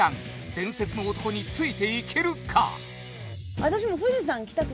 伝説の男についていけるか？